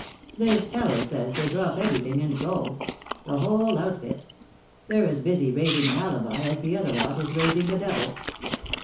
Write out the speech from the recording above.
"This fellow says they drop everything and go. The whole outfit. They're as busy raising an alibi as the other lot is raising the devil."